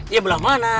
iya belah mana